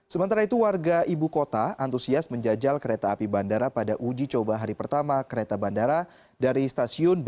sementara itu warga ibu kota antusias menjajal kereta api bandara pada uji coba hari pertama kereta bandara dari stasiun